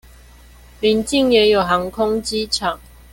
鄰近也有航空機場